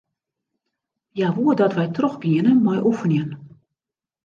Hja woe dat wy trochgiene mei oefenjen.